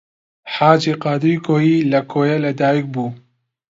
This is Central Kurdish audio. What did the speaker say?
حاجی قادری کۆیی لە کۆیە لەدایک بوو.